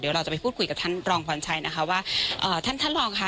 เดี๋ยวเราจะไปพูดคุยกับท่านรองพรชัยนะคะว่าเอ่อท่านท่านรองค่ะ